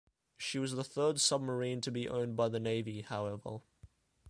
She was the third submarine to be owned by the Navy, however.